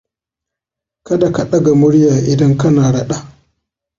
Kada ka ɗaga murya idan kana raɗa.